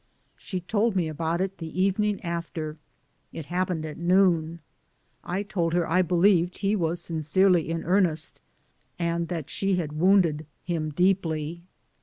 She told me about it the evening after. It happened at noon. I told her I believed he was sincerely in earnest and that she had wounded him deeply.